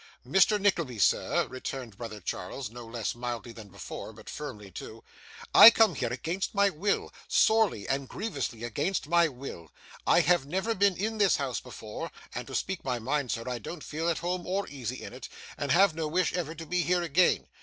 'Mr. Nickleby, sir,' returned brother Charles: no less mildly than before, but firmly too: 'I come here against my will, sorely and grievously against my will. I have never been in this house before; and, to speak my mind, sir, I don't feel at home or easy in it, and have no wish ever to be here again.